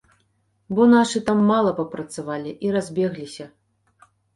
Бо нашы там мала папрацавалі і разбегліся.